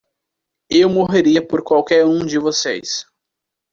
Eu morreria por qualquer um de vocês.